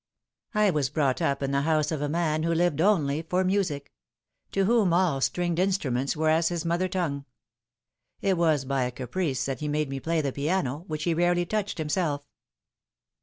I was brought up in the house of a man who lived only for music to whom all stringed instruments were as his mother tongue. It was by a caprice that he made me play the piano which he rarely touched him self."